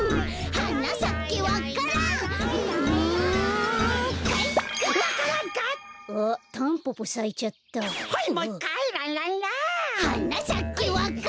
「はなさけわか蘭」